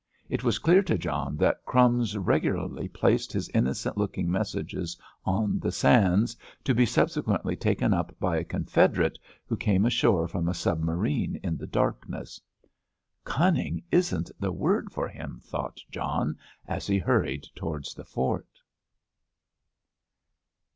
It was clear to John that "Crumbs" regularly placed his innocent looking messages on the sands, to be subsequently taken up by a confederate who came ashore from a submarine in the darkness. "Cunning isn't the word for him," thought John, as he hurried towards the fort.